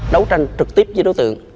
đấu tranh trực tiếp với đối tượng